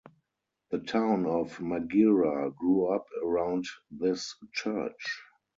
The town of Maghera grew up around this church.